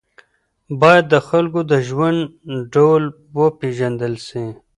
باید د خلکو د ژوند ډول وپېژندل سي.